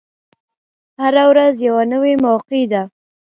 هره ورځ یوه نوی موقع ده.